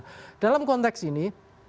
kalau kita lihat konteks ini